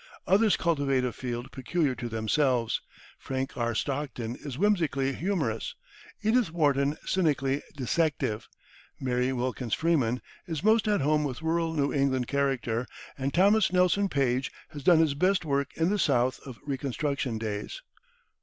Others cultivate a field peculiar to themselves. Frank R. Stockton is whimsically humorous, Edith Wharton cynically dissective; Mary Wilkins Freeman is most at home with rural New England character; and Thomas Nelson Page has done his best work in the South of reconstruction days.